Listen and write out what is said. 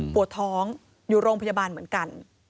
ปวดท้องอยู่โรงพยาบาลเหมือนกัน